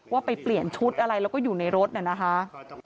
ว่าไปเปลี่ยนชุดอะไรแล้วก็อยู่ในรถน่ะนะคะ